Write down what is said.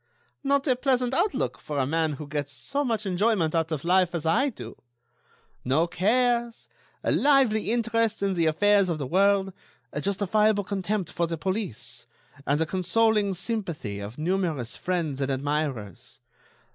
"Ha! not a pleasant outlook for a man who gets so much enjoyment out of life as I do. No cares, a lively interest in the affairs of the world, a justifiable contempt for the police, and the consoling sympathy of numerous friends and admirers.